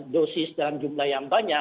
dosis dalam jumlah yang banyak